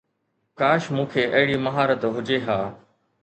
ڪاش مون کي اهڙي مهارت هجي ها